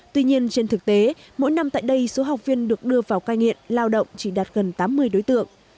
tuy nhiên trên thực tế mỗi năm tại đây số học viên được đưa vào cai nghiện lao động chỉ đạt gần tám mươi đối tượng